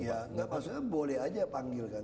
ya nggak maksudnya boleh aja panggil kan